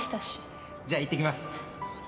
じゃあいってきます。